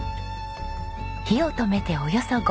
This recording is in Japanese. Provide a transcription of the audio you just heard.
火を止めておよそ５分。